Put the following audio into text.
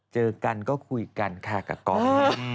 เจอกันก็คุยกันค่ะกับก๊อฟ